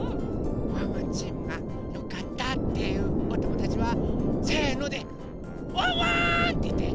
ワンワンチームがよかったっていうおともだちは「せの」で「ワンワン」っていって。